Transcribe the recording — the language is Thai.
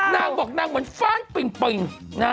น่าบอกน่าเหมือนฟ่านปิ่งปิ่ง